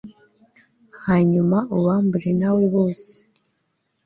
hanyuma ubambure nawe bose